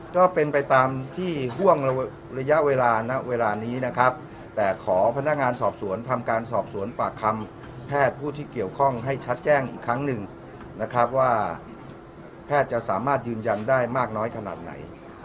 ก็เป็นไปตามที่ห่วงระยะเวลาณเวลานี้นะครับแต่ขอพนักงานสอบสวนทำการสอบสวนปากคำแพทย์ผู้ที่เกี่ยวข้องให้ชัดแจ้งอีกครั้งหนึ่งนะครับว่าแพทย์จะสามารถยืนยันได้มากน้อยขนาดไหน